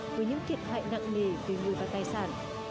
với những kiệt hại nặng nề tùy người và tài sản